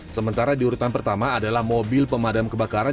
sementara di urutan pertama adalah mobil pemadam kebakaran